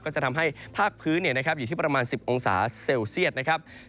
ก็จะทำให้ภาคพื้นอยู่ที่ประมาณ๑๐องศาเซลเซียตนะครับ